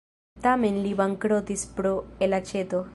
Tamen li bankrotis pro elaĉeto.